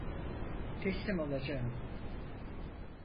Teslim olacağım.